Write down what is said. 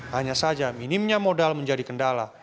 hanya saja minimnya modal menjadi kendala